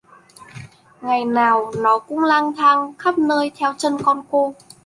ngày nào nó cũng lang thang khắp nơi theo chân con cô